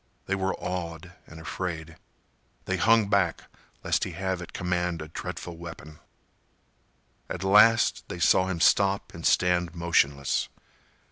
They were awed and afraid. They hung back lest he have at command a dreadful weapon. At last, they saw him stop and stand motionless.